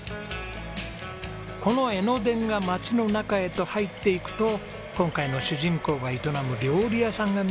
この江ノ電が町の中へと入っていくと今回の主人公が営む料理屋さんが見えてくるんです。